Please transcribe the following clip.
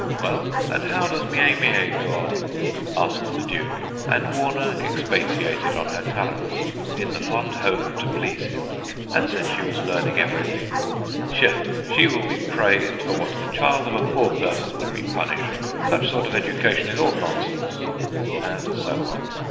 ' Well, and how does Mie Mie go on ?' asked the Duke, and Warner expatiated on her talents, ' in the fond hope to please him/ and said she was learning everything. 72 THE GHOSTS OF PICCADILLY * Pshaw ! she will be praised for what the child of a poor person would be punished. Such sort of education is all nonsense/ and so on.